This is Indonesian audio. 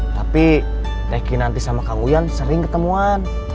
tapi teh kinanti sama kang uyan sering ketemuan